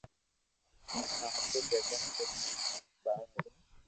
اوني آپري جگھ تي ٻآراوين